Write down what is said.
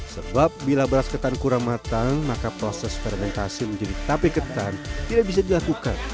sebab bila beras ketan kurang matang maka proses fermentasi menjadi tape ketan tidak bisa dilakukan